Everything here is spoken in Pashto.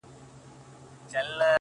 • سپوږمۍ د خدای روی مي دروړی,